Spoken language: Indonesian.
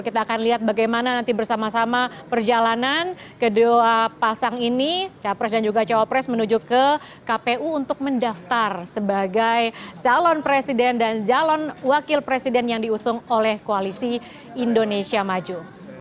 kita akan lihat bagaimana nanti bersama sama perjalanan kedua pasang ini capres dan juga cawapres menuju ke kpu untuk mendaftar sebagai calon presiden dan calon wakil presiden yang diusung oleh koalisi indonesia maju